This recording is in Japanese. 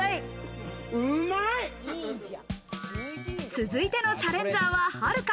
続いてのチャレンジャーは、はるか。